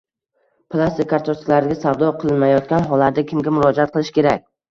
Plastik kartochkalarga savdo qilinmayotgan hollarda kimga murojaat qilish kerak?